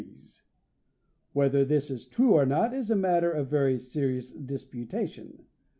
Whether this is true or not is a matter of very serious disputation.